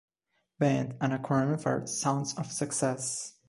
Band- an acronym for Sounds of Success.